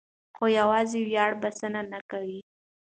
خو یوازې ویاړ بسنه نه کوي.